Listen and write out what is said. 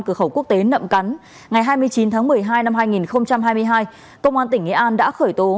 cửa khẩu quốc tế nậm cắn ngày hai mươi chín tháng một mươi hai năm hai nghìn hai mươi hai công an tỉnh nghệ an đã khởi tố